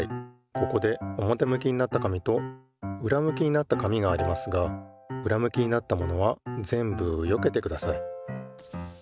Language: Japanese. ここでおもてむきになった紙とうらむきになった紙がありますがうらむきになったものはぜんぶよけてください。